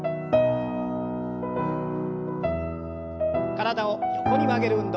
体を横に曲げる運動。